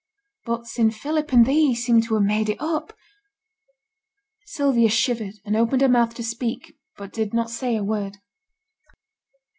But sin' Philip and thee seem to ha' made it up ' Sylvia shivered, and opened her mouth to speak, but did not say a word.